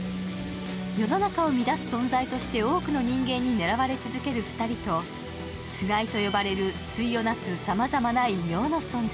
世の中を乱す存在として多くの人間に狙われ続ける２人とツガイと呼ばれる対を成すさまざまな異形の存在。